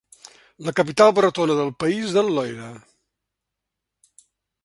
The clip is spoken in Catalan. La capital bretona del país del Loira.